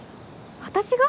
私が？